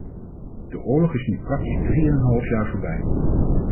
De oorlog is nu praktisch drie en een half jaar voorbij.